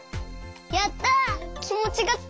やった！